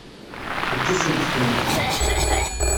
Eǧǧ-asent-tent-id.